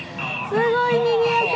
すごいにぎやか。